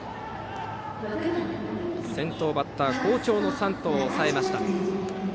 先頭バッター好調の山藤を抑えました。